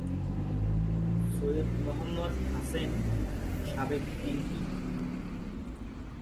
সৈয়দ মোহাম্মদ হাসেম, সাবেক এমপি।